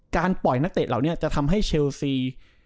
ปล่อยนักเตะเหล่านี้จะทำให้เชลซี